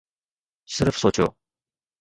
صرف سوچيو.